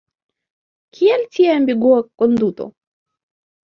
Kial tia ambigua konduto?